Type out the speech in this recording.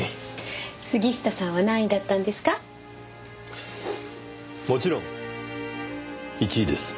杉下さんは何位だったんですか？もちろん１位です。